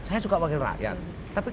saya juga wakil rakyat